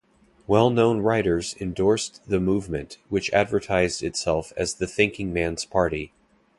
Well-known writers endorsed the movement, which advertised itself as the thinking man's party.